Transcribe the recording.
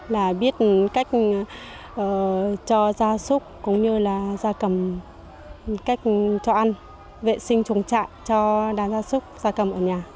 là biết cách cho gia súc cũng như là gia cầm cách cho ăn vệ sinh chuồng trại cho đàn gia súc gia cầm ở nhà